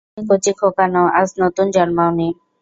তুমি কচি খোকা নও, আজ নতুন জন্মাও নি।